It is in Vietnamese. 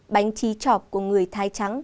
bánh trí trọp của người thái trắng